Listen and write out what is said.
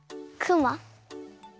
クマ？